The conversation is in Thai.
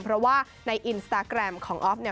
เพราะว่าในอินสตาแกรมของออฟเนี่ย